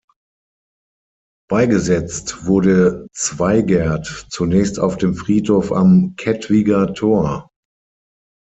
Beigesetzt wurde Zweigert zunächst auf dem Friedhof am Kettwiger Tor.